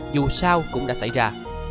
dù sao cũng đã xảy ra